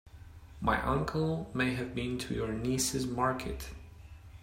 My uncle may have been to your niece's market.